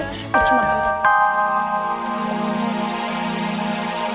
tidak ada masalah